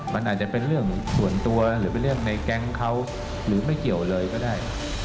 มันอาจจะเป็นเรื่องส่วนตัวหรือเป็นเรื่องในแก๊งเขาหรือไม่เกี่ยวเลยก็ได้